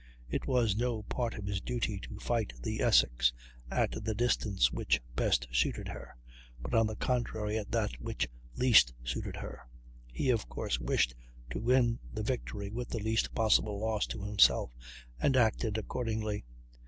It was no part of his duty to fight the Essex at the distance which best suited her; but, on the contrary, at that which least suited her. He, of course, wished to win the victory with the least possible loss to himself, and acted accordingly.